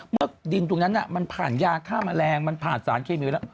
เมื่อดินตรงนั้นมันผ่านยาฆ่าแมลงมันผ่านสารเคมีแล้ว